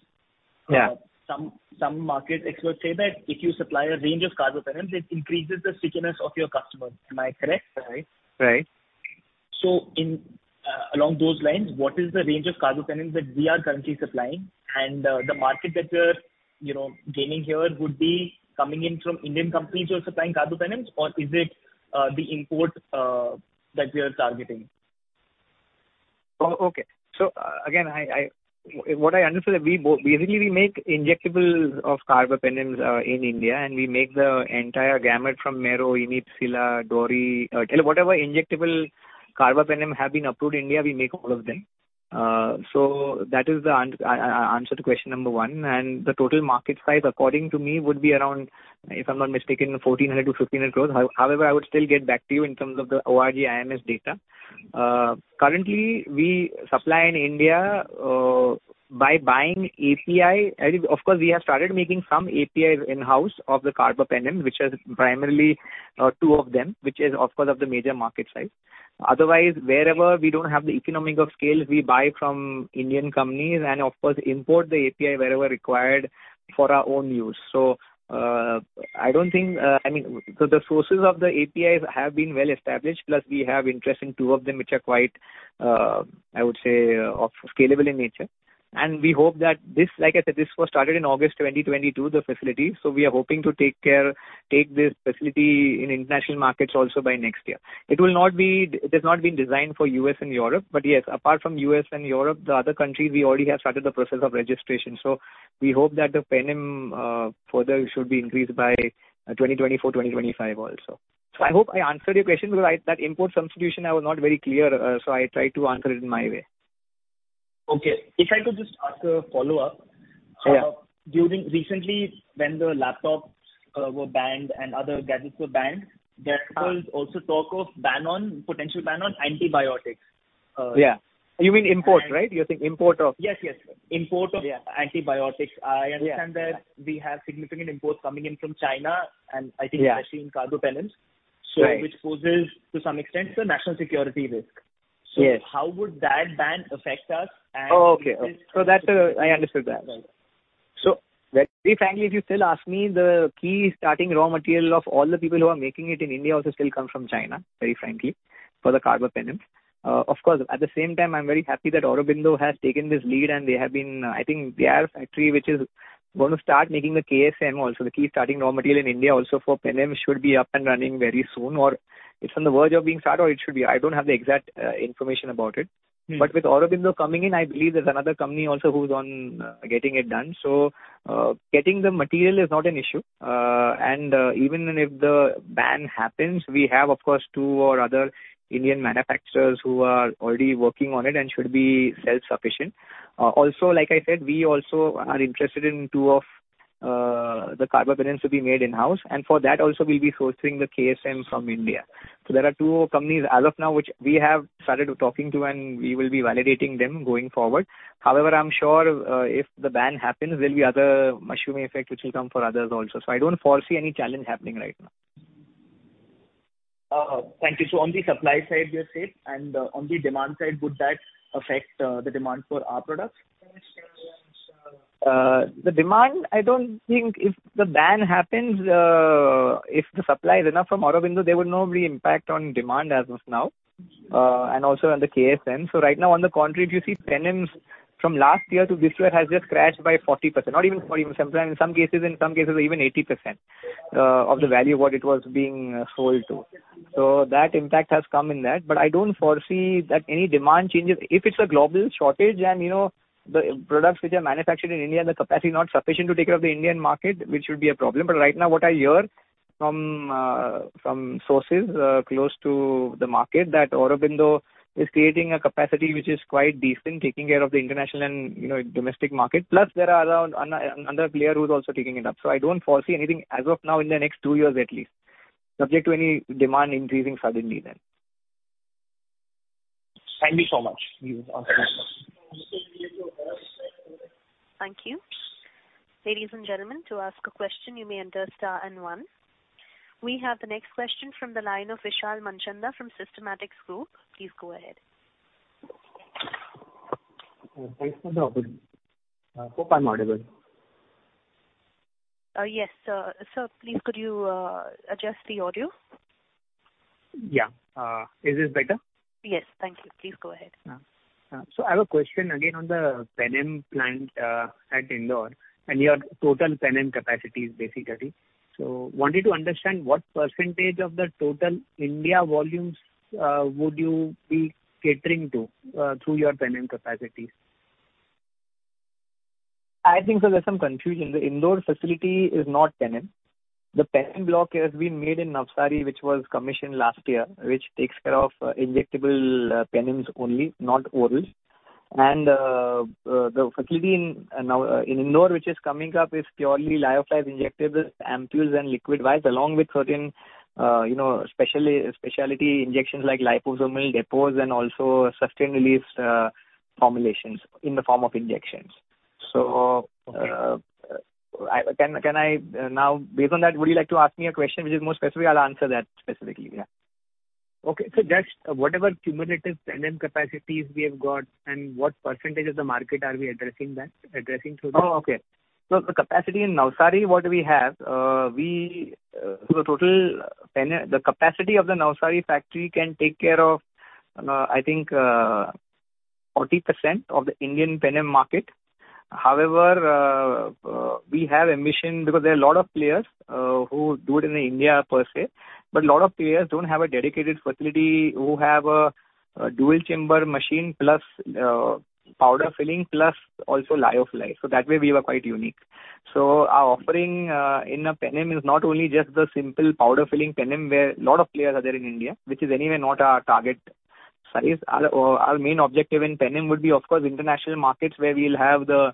Yeah. some, some market experts say that if you supply a range of carbapenems, it increases the stickiness of your customers. Am I correct? Right. Right. In, along those lines, what is the range of carbapenems that we are currently supplying? The market that we're, you know, gaining here would be coming in from Indian companies who are supplying carbapenems, or is it, the import, that we are targeting? Oh, okay. Again, I, what I understand, we basically make injectables of carbapenems in India, and we make the entire gamut from mero, imipenem, doripenem... Whatever injectable carbapenem have been approved India, we make all of them. That is the answer to question number one, and the total market size, according to me, would be around, if I'm not mistaken, 1,400 crore-1,500 crore. However, I would still get back to you in terms of the ORG IMS data. Currently, we supply in India by buying API. Of course, we have started making some APIs in-house of the carbapenem, which is primarily, 2 of them, which is of course, of the major market size. Otherwise, wherever we don't have the economic of scale, we buy from Indian companies and of course import the API wherever required for our own use. I don't think, I mean, so the sources of the APIs have been well established, plus we have interest in two of them, which are quite, I would say, of scalable in nature. We hope that this, like I said, this was started in August 2022, the facility, so we are hoping to take care, take this facility in international markets also by next year. It has not been designed for US and Europe, but yes, apart from US and Europe, the other countries, we already have started the process of registration. We hope that the penem further should be increased by 2024, 2025 also. I hope I answered your question, because I, that import substitution, I was not very clear, so I tried to answer it in my way. Okay. If I could just ask a follow-up. Yeah. During, recently, when the laptops were banned and other gadgets were banned, there was also talk of ban on, potential ban on antibiotics. Yeah. You mean import, right? You're saying import of- Yes, yes, import of- Yeah. antibiotics. Yeah. I understand that we have significant imports coming in from China, and I think- Yeah. especially in carbapenems. Right. Which poses, to some extent, a national security risk. Yes. How would that ban affect us, and-. Oh, okay. That, I understood that. Very frankly, if you still ask me, the key starting raw material of all the people who are making it in India also still come from China, very frankly, for the carbapenems. Of course, at the same time, I'm very happy that Aurobindo has taken this lead, and they have been... I think their factory, which is going to start making the KSM also, the key starting raw material in India also for penem, should be up and running very soon, or it's on the verge of being started, or it should be. I don't have the exact information about it. Mm. With Aurobindo coming in, I believe there's another company also who's on getting it done. Getting the material is not an issue. Even if the ban happens, we have, of course, two or other Indian manufacturers who are already working on it and should be self-sufficient. Also, like I said, we also are interested in two of the carbapenems to be made in-house, and for that also, we'll be sourcing the KSM from India. There are two companies as of now, which we have started talking to, and we will be validating them going forward. However, I'm sure, if the ban happens, there'll be other mushrooming effect, which will come for others also. I don't foresee any challenge happening right now. Thank you. On the supply side, we are safe, and on the demand side, would that affect the demand for our products? The demand, I don't think if the ban happens, if the supply is enough from Aurobindo, there would not be impact on demand as of now, and also on the KSM. Right now, on the contrary, if you see, penams from last year to this year has just crashed by 40%. Not even 40, sometimes in some cases, in some cases even 80%, of the value of what it was being sold to. That impact has come in that, but I don't foresee that any demand changes. If it's a global shortage and, you know, the products which are manufactured in India, the capacity not sufficient to take care of the Indian market, which would be a problem. Right now, what I hear from, from sources, close to the market, that Aurobindo is creating a capacity which is quite decent, taking care of the international and, you know, domestic market. Plus, there are around another player who's also taking it up. So I don't foresee anything as of now in the next two years, at least, subject to any demand increasing suddenly then. Thank you so much. Thank you. Ladies and gentlemen, to ask a question, you may enter star and one. We have the next question from the line of Vishal Manchanda from Systematix Group. Please go ahead. Thanks for the opportunity. Hope I'm audible. Yes. Sir, please, could you adjust the audio? Yeah. Is this better? Yes, thank you. Please go ahead. I have a question again on the penem plant at Indore, and your total penem capacity is basically. Wanted to understand, what % of the total India volumes, would you be catering to, through your penem capacities? I think, sir, there's some confusion. The Indore facility is not penem. The penem block has been made in Navsari, which was commissioned last year, which takes care of injectable penems only, not orals. The facility in now in Indore, which is coming up, is purely lyophilized injectables, ampules, and liquid vials, along with certain, you know, specialty injections like liposomal depots and also sustained-release formulations in the form of injections. Okay. Can I, now, based on that, would you like to ask me a question which is more specific? I'll answer that specifically, yeah. Okay. Just whatever cumulative penem capacities we have got and what percentage of the market are we addressing that, addressing to that? Oh, okay. The capacity in Navsari, what we have, we, the total penem... The capacity of the Navsari factory can take care of, I think, 40% of the Indian penem market. However, we have ambition because there are a lot of players who do it in India, per se, but a lot of players don't have a dedicated facility who have a dual chamber machine, plus powder filling, plus also lyophilize. That way we were quite unique. Our offering in a penem is not only just the simple powder filling penem, where a lot of players are there in India, which is anyway not our target size. Our main objective in penem would be, of course, international markets, where we'll have the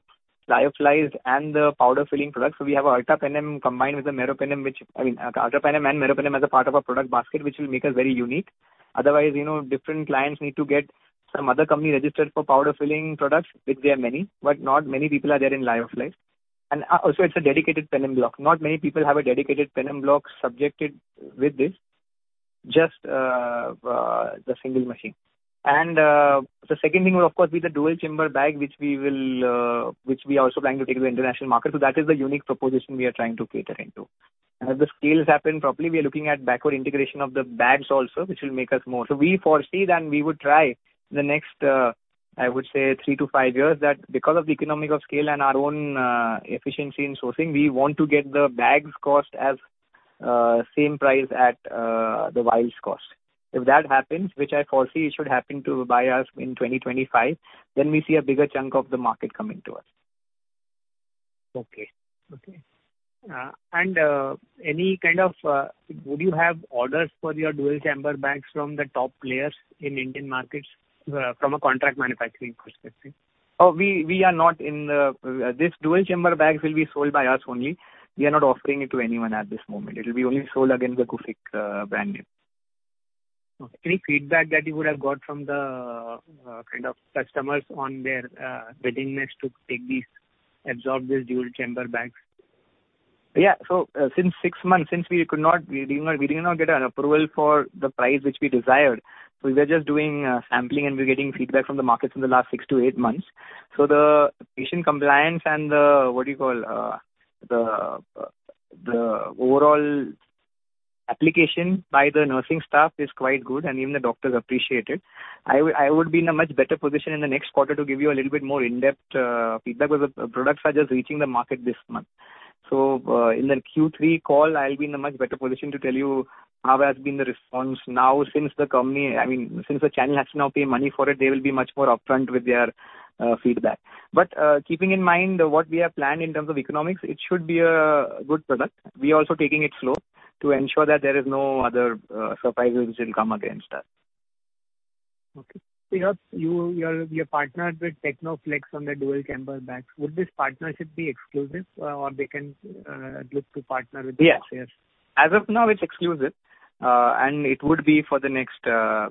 lyophilized and the powder filling products. We have an ultrapenem combined with the meropenem, which, I mean, ultrapenem and meropenem as a part of our product basket, which will make us very unique. Otherwise, you know, different clients need to get some other company registered for powder filling products, which there are many, but not many people are there in lyophilized. Also, it's a dedicated penem block. Not many people have a dedicated penem block subjected with this, just the single machine. The second thing will of course be the dual-chamber bag, which we will, which we are also trying to take to the international market. That is the unique proposition we are trying to cater into. As the scales happen properly, we are looking at backward integration of the bags also, which will make us more. We foresee that we would try the next, I would say three to five years, that because of the economy of scale and our own efficiency in sourcing, we want to get the bags cost as same price at the vials cost. If that happens, which I foresee it should happen to by in 2025, then we see a bigger chunk of the market coming to us. Okay. Okay. Any kind of, would you have orders for your dual-chamber bags from the top players in Indian markets, from a contract manufacturing perspective? Oh, we, we are not in the, this dual-chamber bags will be sold by us only. We are not offering it to anyone at this moment. It will be only sold against the Gufic brand name. Okay. Any feedback that you would have got from the, kind of customers on their, willingness to take these, absorb these dual-chamber bags? Yeah. Since 6 months, since we could not, we did not, we did not get an approval for the price which we desired, we're just doing sampling, and we're getting feedback from the markets in the last 6-8 months. The patient compliance and the, what do you call, the, the overall application by the nursing staff is quite good, and even the doctors appreciate it. I would, I would be in a much better position in the next quarter to give you a little bit more in-depth feedback, because the products are just reaching the market this month. In the Q3 call, I'll be in a much better position to tell you how has been the response now since the company, I mean, since the channel has to now pay money for it, they will be much more upfront with their feedback. Keeping in mind what we have planned in terms of economics, it should be a good product. We are also taking it slow to ensure that there is no other surprises which will come against us. Okay. you're partnered with Technoflex on the dual-chamber bags. Would this partnership be exclusive, or they can, look to partner. Yes. Yes. As of now, it's exclusive. It would be for the next,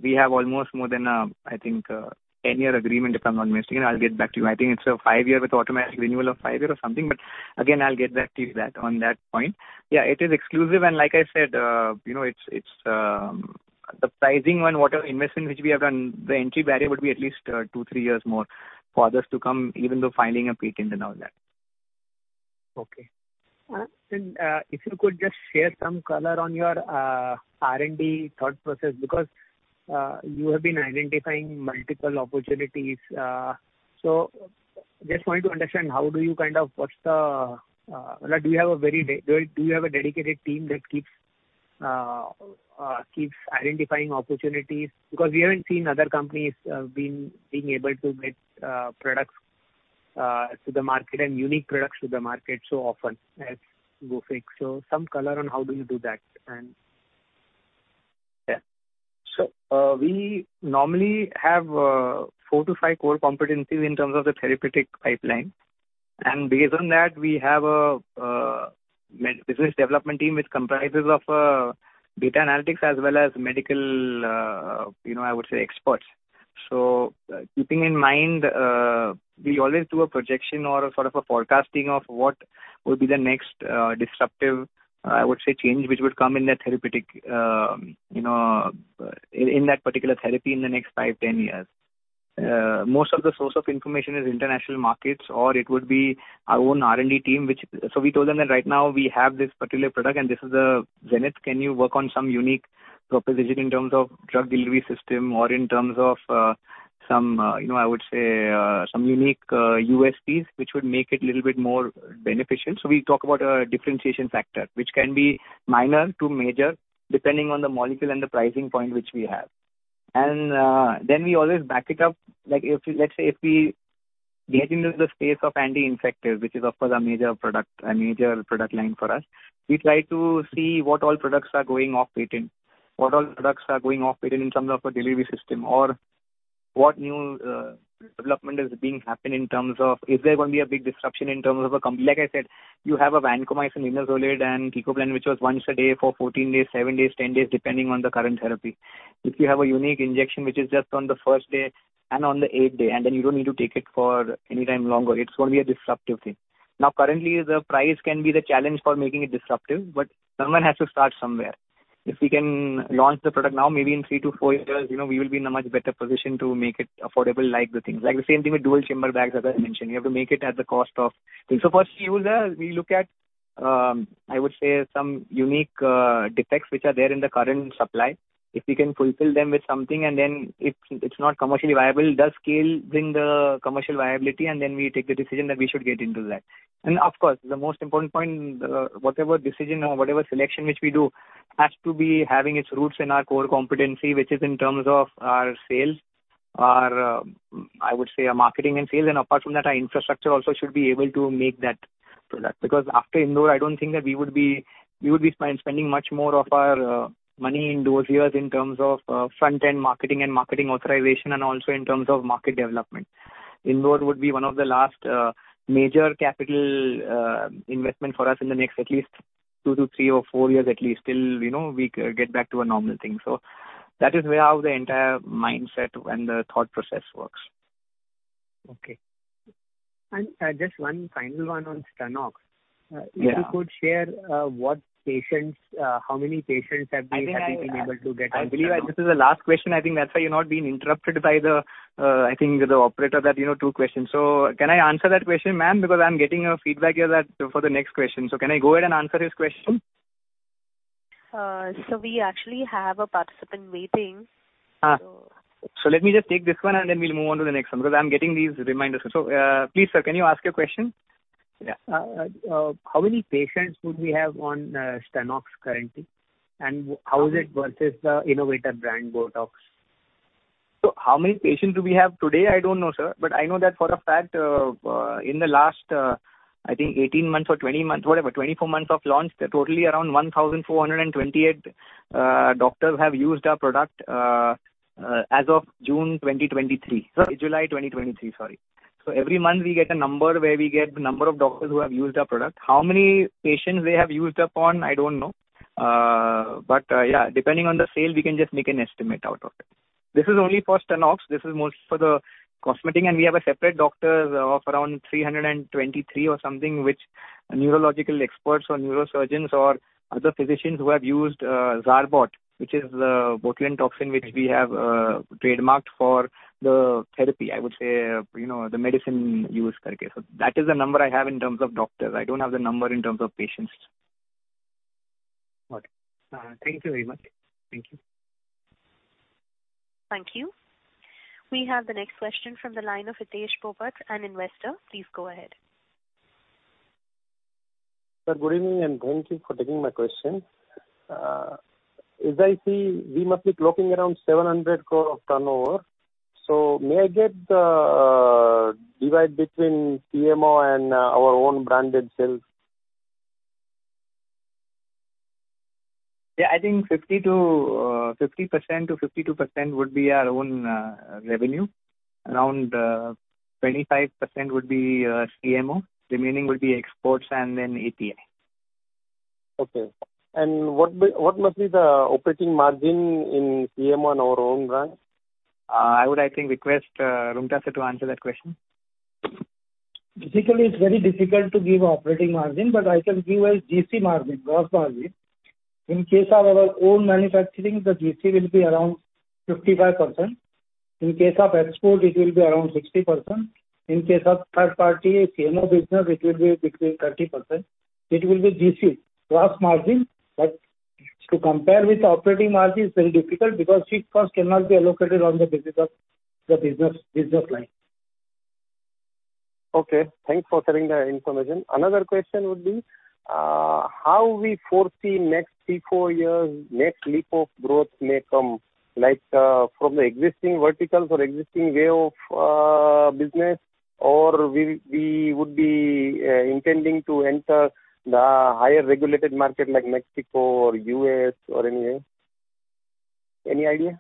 we have almost more than, I think, 10-year agreement, if I'm not mistaken. I'll get back to you. I think it's a 5 year with automatic renewal of 5 year or something, but again, I'll get back to you on that point. Yeah, it is exclusive, and like I said, you know, it's, it's, the pricing and whatever investment which we have done, the entry barrier would be at least 2, 3 years more for others to come, even though filing a patent and all that. Okay. If you could just share some color on your R&D thought process, because you have been identifying multiple opportunities. Just wanted to understand, how do you kind of what's the... Like, do you have a very do you have a dedicated team that keeps identifying opportunities? We haven't seen other companies being, being able to get products to the market and unique products to the market so often as Gufic. Some color on how do you do that, and... Yeah. We normally have 4 to 5 core competencies in terms of the therapeutic pipeline. Based on that, we have a business development team, which comprises of data analytics as well as medical, you know, I would say, experts. Keeping in mind, we always do a projection or a sort of a forecasting of what will be the next disruptive, I would say, change, which would come in that therapeutic, you know, in that particular therapy in the next 5, 10 years. Most of the source of information is international markets, or it would be our own R&D team, which... We told them that right now we have this particular product, and this is the Zenith. Can you work on some unique proposition in terms of drug delivery system or in terms of, some, you know, I would say, some unique, USPs, which would make it little bit more beneficial? We talk about a differentiation factor, which can be minor to major, depending on the molecule and the pricing point which we have. Then we always back it up, like if, let's say, if we get into the space of anti-infective, which is, of course, a major product, a major product line for us, we try to see what all products are going off patent, what all products are going off patent in terms of a delivery system, or what new development is being happened in terms of is there going to be a big disruption in terms of Like I said, you have a vancomycin, linezolid, and tigecycline, which was once a day for 14 days, 7 days, 10 days, depending on the current therapy. If you have a unique injection, which is just on the 1st day and on the 8th day, and then you don't need to take it for any time longer, it's going to be a disruptive thing. Currently, the price can be the challenge for making it disruptive. Someone has to start somewhere. If we can launch the product now, maybe in 3-4 years, you know, we will be in a much better position to make it affordable, like the things. Like the same thing with dual-chamber bags, as I mentioned, you have to make it at the cost of... First user, we look at, I would say, some unique defects which are there in the current supply. If we can fulfill them with something and then it's, it's not commercially viable, does scale bring the commercial viability? Then we take the decision that we should get into that. Of course, the most important point, whatever decision or whatever selection which we do, has to be having its roots in our core competency, which is in terms of our sales, our, I would say, our marketing and sales. Apart from that, our infrastructure also should be able to make that product. Because after Indore, I don't think that we would be, we would be spending much more of our money in those years in terms of front-end marketing and marketing authorization, and also in terms of market development. Indore would be one of the last major capital investment for us in the next at least 2 to 3 or 4 years at least, till, you know, we get back to a normal thing. That is where how the entire mindset and the thought process works. Okay. Just one final one on StenoX. Yeah. If you could share, what patients, how many patients have we? I think I- have been able to get on StenoX? I believe this is the last question. I think that's why you're not being interrupted by the, I think the operator that, you know, two questions. Can I answer that question, ma'am? Because I'm getting a feedback here that for the next question. Can I go ahead and answer his question? We actually have a participant waiting. Ah. So let me just take this one, and then we'll move on to the next one, because I'm getting these reminders. Please, sir, can you ask your question? Yeah. How many patients would we have on StenoX currently? How is it versus the innovator brand, Botox? How many patients do we have today? I don't know, sir, but I know that for a fact, in the last, I think 18 months or 20 months, whatever, 24 months of launch, totally around 1,428 doctors have used our product as of June 2023. Sir, July 2023, sorry. Every month we get a number where we get the number of doctors who have used our product. How many patients they have used upon, I don't know. Yeah, depending on the sale, we can just make an estimate out of it. This is only for StenoX. This is most for the cosmetic, and we have a separate doctors of around 323 or something, which neurological experts or neurosurgeons or other physicians who have used, Zarbot, which is the botulinum toxin, which we have trademarked for the therapy, I would say, you know, the medicine use karke. So that is the number I have in terms of doctors. I don't have the number in terms of patients. Okay. Thank you very much. Thank you. Thank you. We have the next question from the line of Hitesh Popat, an investor. Please go ahead. Sir, good evening, and thank you for taking my question. As I see, we must be clocking around 700 crore of turnover. May I get the divide between CMO and our own branded sales? Yeah, I think 50%-52% would be our own revenue. Around 25% would be CMO. Remaining would be exports and then API. Okay. what must be the operating margin in CMO and our own brand? I would, I think, request, Rumta sir to answer that question. It's very difficult to give operating margin, but I can give a GC margin, gross margin. In case of our own manufacturing, the GC will be around 55%. In case of export, it will be around 60%. In case of third-party CMO business, it will be between 30%. It will be GC, gross margin, to compare with operating margin is very difficult because fixed cost cannot be allocated on the basis of the business, business line. Okay, thanks for sharing the information. Another question would be, how we foresee next three, four years, next leap of growth may come, like, from the existing verticals or existing way of business, or we, we would be intending to enter the higher regulated market like Mexico or U.S. or anywhere? Any idea?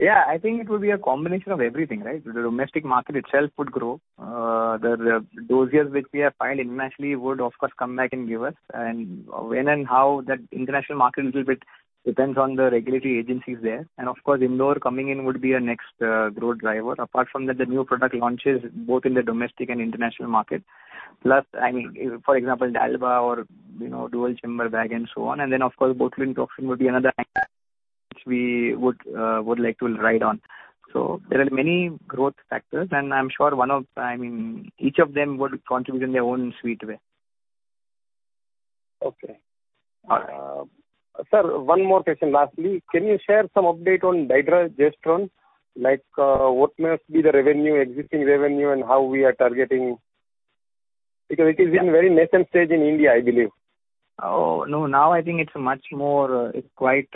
Yeah, I think it will be a combination of everything, right? The domestic market itself would grow. The doses which we have filed internationally would, of course, come back and give us. When and how, that international market little bit depends on the regulatory agencies there. Of course, Indore coming in would be a next growth driver. Apart from that, the new product launches, both in the domestic and international market, plus, I mean, for example, Dalba or, you know, dual-chamber bag and so on. Then, of course, botulinum toxin would be another which we would like to ride on. There are many growth factors, and I'm sure one of... I mean, each of them would contribute in their own sweet way. Okay. Uh. Sir, one more question, lastly. Can you share some update on Dydrogesterone? Like, what must be the revenue, existing revenue, and how we are targeting... It is in very nascent stage in India, I believe. Oh, no, now I think it's much more, it's quite,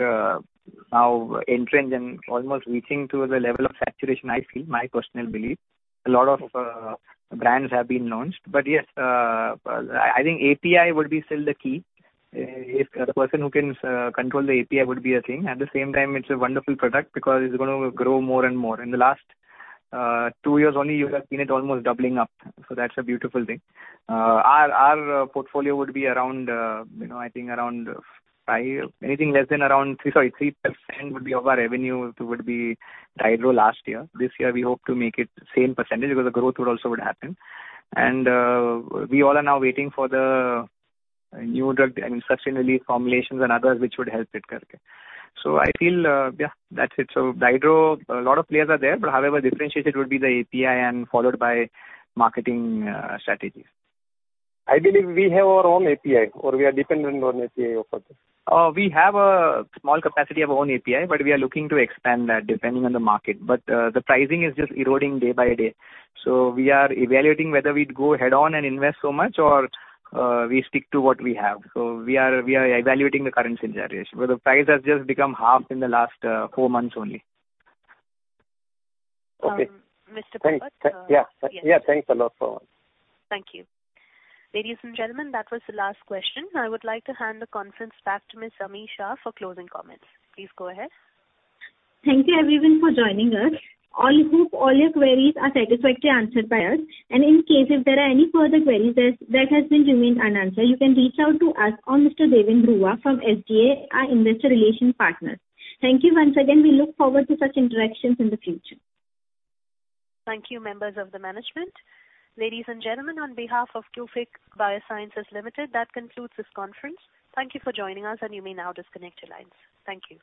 now entrenched and almost reaching to the level of saturation, I feel, my personal belief. A lot of brands have been launched. Yes, I think API would be still the key. If the person who can control the API would be a thing. At the same time, it's a wonderful product because it's gonna grow more and more. In the last 2 years only, you have seen it almost doubling up, so that's a beautiful thing. Our portfolio would be around, you know, I think around 5... Anything less than around 3, sorry, 3% would be of our revenue, would be Dydro last year. This year we hope to make it same % because the growth would also would happen. We all are now waiting for the new drug, I mean, sustained release formulations and others which would help it karke. I feel, yeah, that's it. Dydro, a lot of players are there, but however, differentiated would be the API and followed by marketing strategies. I believe we have our own API, or we are dependent on API also? We have a small capacity of our own API, but we are looking to expand that depending on the market. The pricing is just eroding day by day. We are evaluating whether we'd go head-on and invest so much or we stick to what we have. We are, we are evaluating the current scenarios, but the price has just become half in the last four months only. Okay. Mr. Popat. Thank, yeah. Yeah, thanks a lot for all. Thank you. Ladies and gentlemen, that was the last question. I would like to hand the conference back to Ms. Ami Shah for closing comments. Please go ahead. Thank you everyone for joining us. I hope all your queries are satisfactorily answered by us, and in case if there are any further queries that has been remained unanswered, you can reach out to us or Mr. Devang Bhuta from SDA, our investor relations partners. Thank you once again. We look forward to such interactions in the future. Thank you, members of the management. Ladies and gentlemen, on behalf of Gufic Biosciences Limited, that concludes this conference. Thank you for joining us, and you may now disconnect your lines. Thank you.